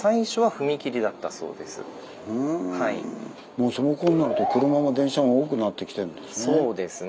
もうそのころになると車も電車も多くなってきてるんですね。